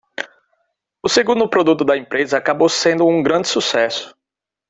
O segundo produto da empresa acabou sendo um grande sucesso.